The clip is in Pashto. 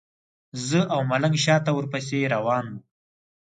زه او ملنګ شاته ورپسې روان وو.